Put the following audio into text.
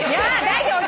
大丈夫。